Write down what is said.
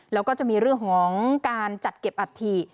แล้วก็จะมีเรื่องของการจัดเก็บอัฐิ